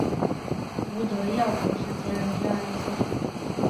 吴德耀博士接任第二任校长。